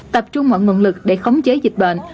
tập trung mọi nguồn lực để khống chế dịch bệnh